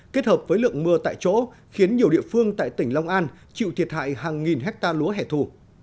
kết hợp với lượng mưa tại chỗ khiến nhiều địa phương tại tỉnh long an chịu thiệt hại hàng nghìn hectare lúa hẻ thù